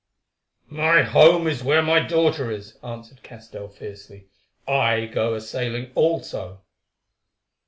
"My home is where my daughter is," answered Castell fiercely. "I go a sailing also."